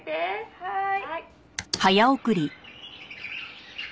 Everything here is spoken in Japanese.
「はい」